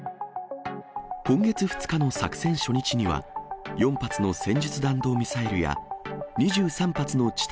今月２日の作戦初日には、４発の戦術弾道ミサイルや２３発の地